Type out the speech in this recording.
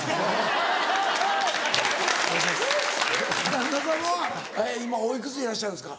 旦那さんは今おいくつでいらっしゃるんですか？